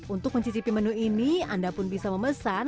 untuk mencicipi menu ini anda pun bisa memesan